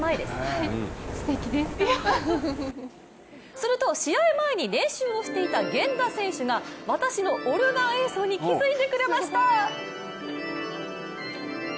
すると、試合前に練習をしていた源田選手が私のオルガン演奏に気づいてくれました。